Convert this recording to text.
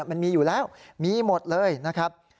มันมีอยู่แล้วมีหมดเลยนะครับ